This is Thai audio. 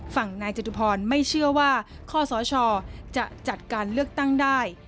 ฝั่งนายจตุพรไม่เชื่อว่าข้อสชจะจัดการเลือกตั้งได้